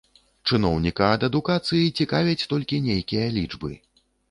Чыноўніка ад адукацыі цікавяць толькі нейкія лічбы.